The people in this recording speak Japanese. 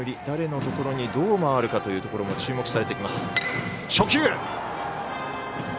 誰のところにどう回るかというところも注目されてきます。